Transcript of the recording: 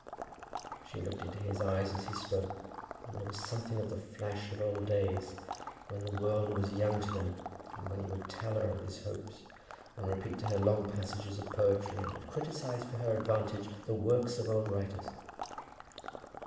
She looked into his eyes as he spoke, and there was something of the flash of old days, when the world was young to them, and when he would tell her of his hopes, and repeat to her long passages of poetry, and would criticize for her advantage the works of old writers.